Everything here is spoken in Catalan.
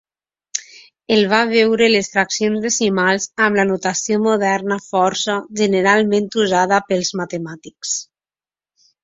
El va veure les fraccions decimals amb la notació moderna força generalment usada pels matemàtics.